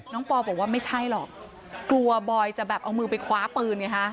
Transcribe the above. ปอบอกว่าไม่ใช่หรอกกลัวบอยจะแบบเอามือไปคว้าปืนไงฮะ